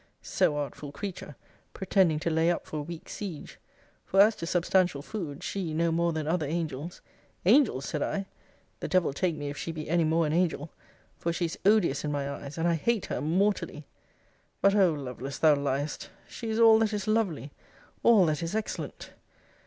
So artful creature! pretending to lay up for a week's siege.' For, as to substantial food, she, no more than other angels Angels! said I the devil take me if she be any more an angel! for she is odious in my eyes; and I hate her mortally! But O Lovelace, thou liest! She is all that is lovely. All that is excellent!